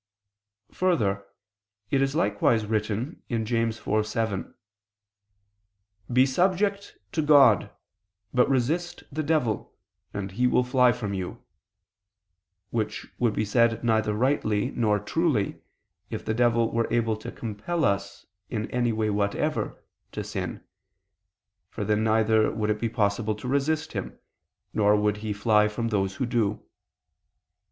Further, it is likewise written (Jam. 4:7): "Be subject ... to God, but resist the devil, and he will fly from you," which would be said neither rightly nor truly, if the devil were able to compel us, in any way whatever, to sin; for then neither would it be possible to resist him, nor would he fly from those who do.